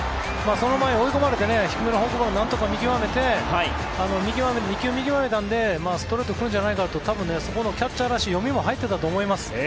その前、追い込まれて低めのフォークボールなんとか見極めて見極めて、２球見極めたんでストレート来るんじゃないかという多分、そこのキャッチャーらしい読みも入っていたと思います。